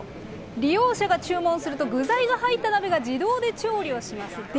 利用者が注文すると具材が入った鍋が自動で調理をします。